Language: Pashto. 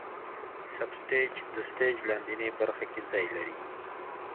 سب سټیج د سټیج لاندینۍ برخه کې ځای لري.